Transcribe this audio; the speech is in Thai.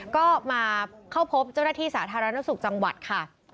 ก็มาเข้าพบเจ้าหน้าที่สาธารณสุขจังหวัดค่ะ